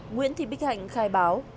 nguyễn thị bích hạnh khai báo